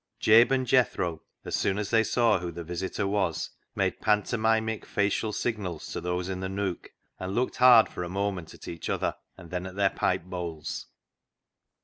Jabe and Jethro, as soon as they saw who the visitor was, made pantomimic facial signals to those in the nook, and looked hard for a moment at each other, and then at their pipe bowls.